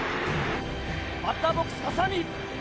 バッターボックス、立浪。